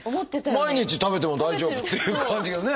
毎日食べても大丈夫っていう感じがね。